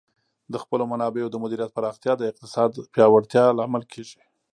د خپلو منابعو د مدیریت پراختیا د اقتصاد پیاوړتیا لامل کیږي.